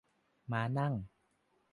ม้านั่ง